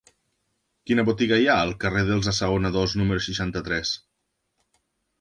Quina botiga hi ha al carrer dels Assaonadors número seixanta-tres?